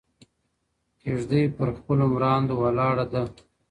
¬ کږدۍ پر خپلو مراندو ولاړه ده.